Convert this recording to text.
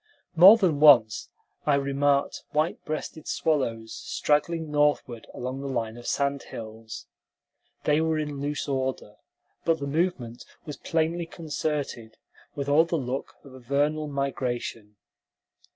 More than once I remarked white breasted swallows straggling northward along the line of sand hills. They were in loose order, but the movement was plainly concerted, with all the look of a vernal migration.